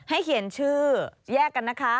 เขียนชื่อแยกกันนะคะ